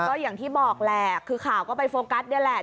ก็อย่างที่บอกแหละคือข่าวก็ไปโฟกัสนี่แหละ